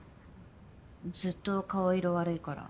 ずっと顔色悪いから。